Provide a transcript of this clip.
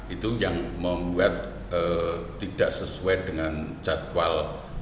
itu yang membuat tidak sesuai dengan jadwal